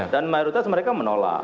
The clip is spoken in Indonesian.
dan mayoritas mereka menolak